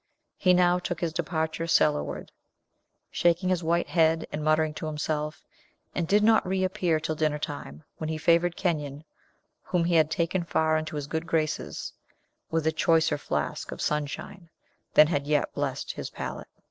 He now took his departure cellarward, shaking his white head and muttering to himself, and did not reappear till dinner time, when he favored Kenyon, whom he had taken far into his good graces, with a choicer flask of Sunshine than had yet blessed his palate.